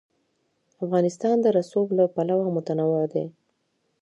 افغانستان د رسوب له پلوه متنوع دی.